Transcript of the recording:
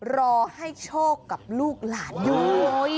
รอให้โชคกับลูกหลานอยู่